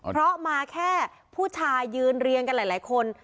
เพราะมาแค่ผู้ชายยืนเรียงกันหลายคน